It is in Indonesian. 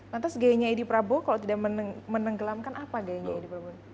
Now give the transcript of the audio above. lantas gayanya edi prabowo kalau tidak menenggelamkan apa gayanya edi prabowo